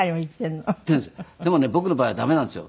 でもね僕の場合は駄目なんですよ